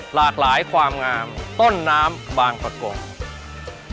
หลากหลายความงามต้นน้ำบางประกง